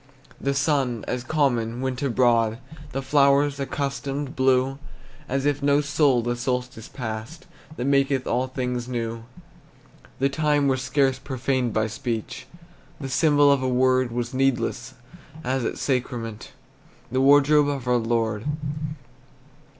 The sun, as common, went abroad, The flowers, accustomed, blew, As if no soul the solstice passed That maketh all things new. The time was scarce profaned by speech; The symbol of a word Was needless, as at sacrament The wardrobe of our Lord.